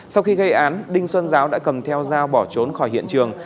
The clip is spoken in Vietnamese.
sau khi gây án đinh xuân giáo đã cầm theo dao bỏ trốn khỏi hiện trường